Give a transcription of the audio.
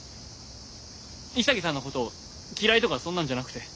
潔さんのこと嫌いとかそんなんじゃなくて。